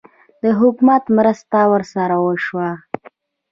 د حکومت مرسته ورسره وشوه؟